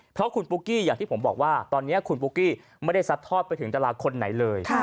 เพราะคุณปุ๊กกี้อย่างที่ผมบอกว่าตอนนี้คุณปุ๊กกี้ไม่ได้ซัดทอดไปถึงดาราคนไหนเลย